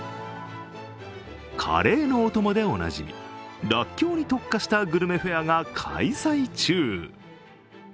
カレーのお供でおなじみ、らっきょうに特化したグルメフェアが開催中。